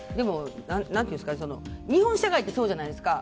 日本社会ってそうじゃないですか。